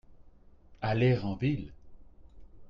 Aller en ville.